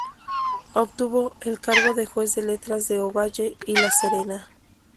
Obtuvo el cargo de juez de letras de Ovalle y La Serena.